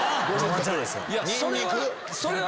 それは。